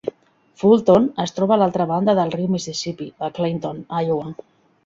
Fulton es troba a l'altra banda del riu Mississipí a Clinton, Iowa.